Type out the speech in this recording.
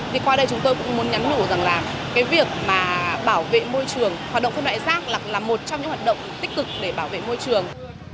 thì qua đây chúng tôi cũng muốn nhắn nhủ rằng là cái việc mà bảo vệ môi trường hoạt động phân loại rác là một trong những hoạt động tích cực để bảo vệ môi trường